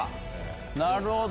なるほど。